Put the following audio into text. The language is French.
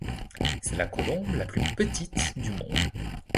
C'est la colombe la plus petite du monde.